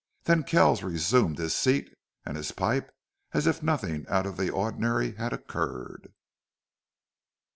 Then Kells resumed his seat and his pipe as if nothing out of the ordinary had occurred.